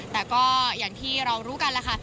แต่ก็อย่างที่เรารู้กันแหละค่ะ